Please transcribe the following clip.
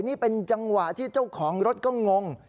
นี่เป็นจังหวะที่เจ้าของรถก็งง